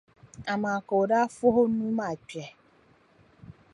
Amaa ka o daa fɔh’ o nuu maa kpɛhi.